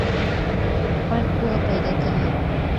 فرد پوهه پیدا کوي.